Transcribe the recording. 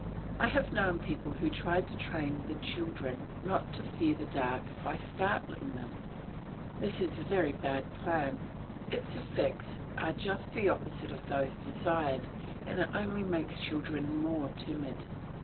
I have known people who tried to train the children not to fear the dark by startling them. This is a very bad plan; its effects are just the opposite of those desired, and it only makes children more timid.